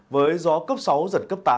với gió cấp sáu giật cấp tám